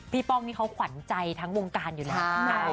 ป้องนี่เขาขวัญใจทั้งวงการอยู่แล้ว